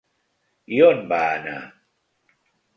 I on va anar?